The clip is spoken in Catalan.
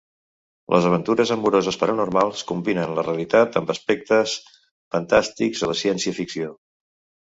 Les aventures amoroses paranormals combinen la realitat amb aspectes fantàstics o de ciència ficció.